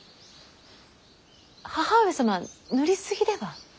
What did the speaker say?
義母上様塗り過ぎでは。